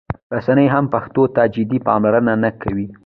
رسنۍ هم پښتو ته جدي پاملرنه نه کوي.